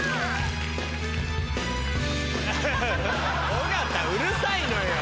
尾形うるさいのよ。